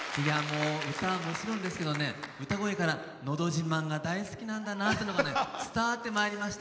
歌は、もちろんですけど歌声から「のど自慢」が大好きなんだなっていうのが伝わってまいりました。